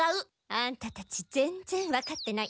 アンタたち全然わかってない。